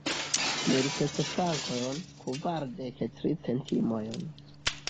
Mil ses frankojn, kvardek tri centimojn.